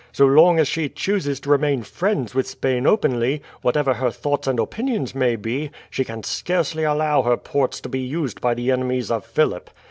So long as she chooses to remain friends with Spain openly, whatever her thoughts and opinions may be, she can scarcely allow her ports to be used by the enemies of Philip.